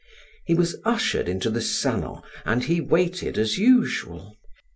He was ushered into the salon and he waited as usual.